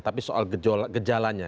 tapi soal gejalanya